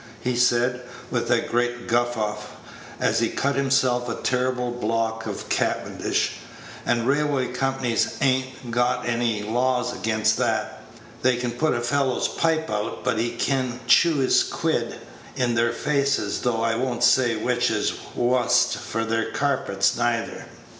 he said, with a great guffaw, as he cut himself a terrible block of Cavendish; "and railway companies a'n't got any laws against that. They can put a fellow's pipe out, but he can chew his quid in their faces; though I won't say which is wust for their carpets, neither."